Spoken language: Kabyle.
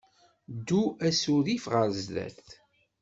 Ddu asurif ɣer sdat.